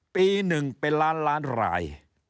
ปีหนึ่งเป็นล้านล้านราย